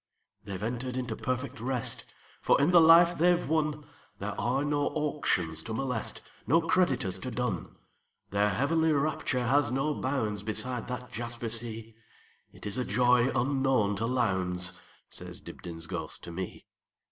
"They 've entered into perfect rest; For in the life they 've wonThere are no auctions to molest, No creditors to dun. Their heavenly rapture has no boundsBeside that jasper sea; It is a joy unknown to Lowndes,"Says Dibdin's ghost to me.